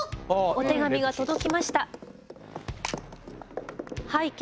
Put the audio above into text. お手紙が届きました。